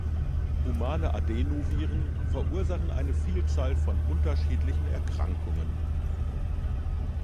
Humane Adenoviren verursachen eine Vielzahl von unterschiedlichen Erkrankungen.